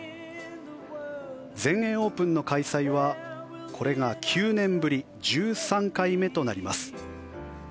全英オープンの開催はこれが９年ぶり１３回目となります。